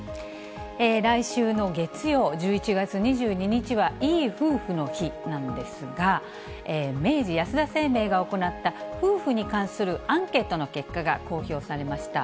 来週の月曜、１１月２２日は、いい夫婦の日なんですが、明治安田生命が行った、夫婦に関するアンケートの結果が公表されました。